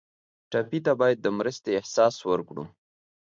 ټپي ته باید د مرستې احساس ورکړو.